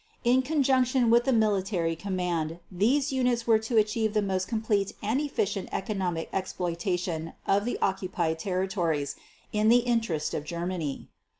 In conjunction with the military command, these units were to achieve the most complete and efficient economic exploitation of the occupied territories in the interest of Germany.